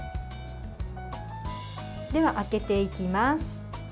では、開けていきます。